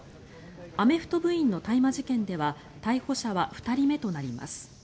アメフト部員の大麻事件では逮捕者は２人目となります。